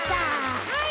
はい。